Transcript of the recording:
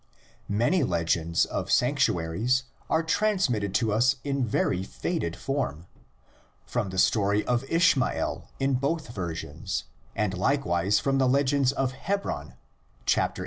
Many legends of sanctuaries are transmitted to us in very faded form: fr.om the story of Ishmael (in both versions) and likewise from the legends of Hebron (xviii.)